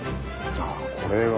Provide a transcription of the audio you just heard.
あこれは。